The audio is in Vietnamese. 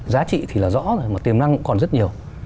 giá trị thì là rõ rồi mà tiềm năng còn rất nhiều